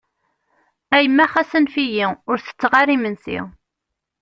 A yemma xas anef-iyi! Ur tettaɣ ara imensi.